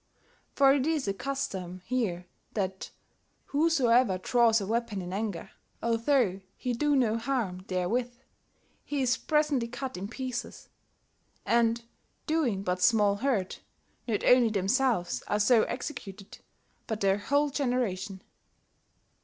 For it is a custome here that whosoever drawes a weapon in anger, although he do noe harme therewith, hee is presently cut in peeces; and, doing but small hurt, not only themselues are so executed, but their whole generation."